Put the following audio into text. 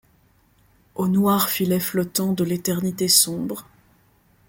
Aux noirs filets flottants de l’éternité sombre ?